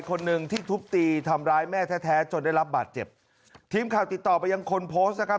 คนหนึ่งที่ทุบตีทำร้ายแม่แท้แท้จนได้รับบาดเจ็บทีมข่าวติดต่อไปยังคนโพสต์นะครับ